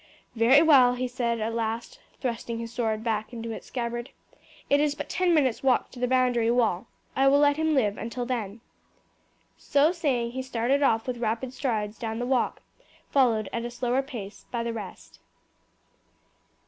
"Very well," he said at last, thrusting his sword back into its scabbard. "It is but ten minutes' walk to the boundary wall, I will let him live till then." So saying he started off with rapid strides down the walk, followed at a slower pace by the rest.